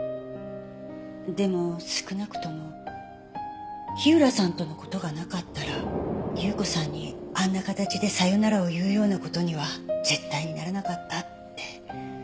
でも少なくとも火浦さんとの事がなかったら有雨子さんにあんな形でさよならを言うような事には絶対にならなかったって。